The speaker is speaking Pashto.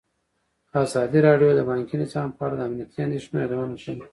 ازادي راډیو د بانکي نظام په اړه د امنیتي اندېښنو یادونه کړې.